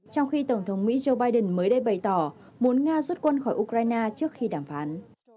trong khi tổng thống mỹ joe biden mới đây bày tỏ muốn nga rút quân khỏi ukraine trước khi đàm phán